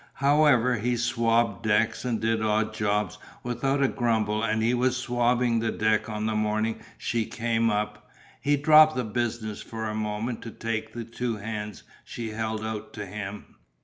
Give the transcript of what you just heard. However, he swabbed decks and did odd jobs without a grumble and he was swabbing the deck on the morning she came up; he dropped the business for a moment to take the two hands she held out to him.